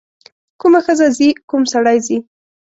کومه ښځه ځي کوم سړی ځي.